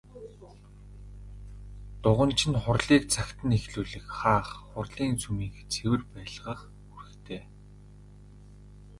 Дуганч нь хурлыг цагт нь эхлүүлэх, хаах, хурлын сүмийг цэвэр байлгах үүрэгтэй.